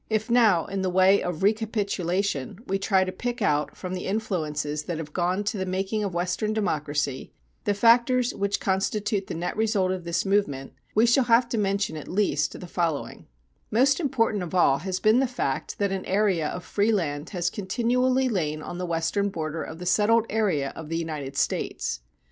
If now in the way of recapitulation, we try to pick out from the influences that have gone to the making of Western democracy the factors which constitute the net result of this movement, we shall have to mention at least the following: Most important of all has been the fact that an area of free land has continually lain on the western border of the settled area of the United States.